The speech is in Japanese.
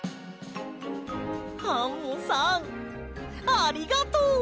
アンモさんありがとう！